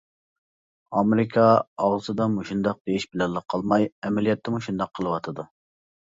ئامېرىكا ئاغزىدا مۇشۇنداق دېيىش بىلەنلا قالماي، ئەمەلىيەتتىمۇ شۇنداق قىلىۋاتىدۇ.